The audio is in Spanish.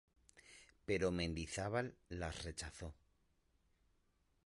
Pero Mendizábal las rechazó.